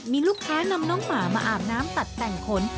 มีลูกค้านำน้องหมามาอาบน้ำตัดแต่งขน